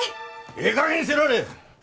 ええかげんにせられえ！